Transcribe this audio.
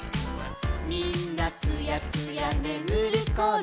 「みんなすやすやねむるころ」